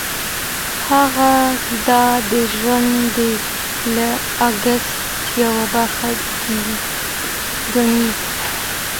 هغه دا د ژوند د لګښت یوه برخه ګڼي.